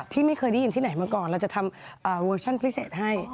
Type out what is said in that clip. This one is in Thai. ที่ไม่เคยได้ยินที่ไหนมาก่อนเราจะทำเวอร์ชั่นพิเศษให้